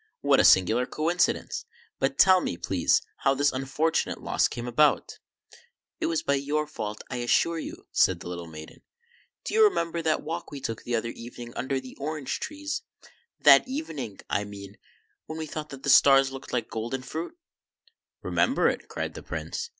What a singular coincidence ! But tell me, please, how this unfortunate loss came about ?"" It was by your fault, I assure you," said the little maiden. " Do you remember that walk we took the other evening under the orange trees, — that evening, I mean, when we thought that the stars looked like golden fruit ?"" Remember it? " cried the Prince.